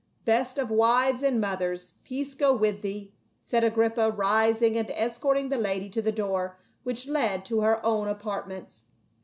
"Best of wives and mothers, peace go with thee!" said Agrippa, rising and escorting the lady to the door which led to her own apartments.